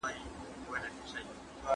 د ښځو د حقونو د پیژندنې کچه لوړه سوې ده.